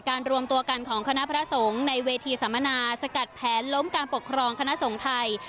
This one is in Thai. รวมตัวกันของคณะพระสงฆ์ในเวทีสัมมนาสกัดแผนล้มการปกครองคณะสงฆ์ไทย